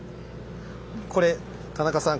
これ田中さん